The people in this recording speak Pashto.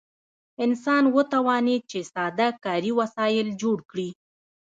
انسان وتوانید چې ساده کاري وسایل جوړ کړي.